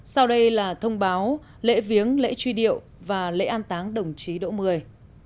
sau đây là thông báo lễ viếng lễ truy điệu và lễ an táng đồng chí đỗ mười